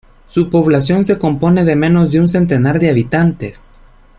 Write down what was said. Su población se compone de menos de un centenar de habitantes.